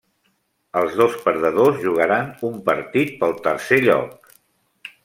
Els dos perdedors jugaran un partit pel tercer lloc.